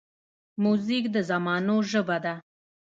موزیک د زمانو ژبه ده.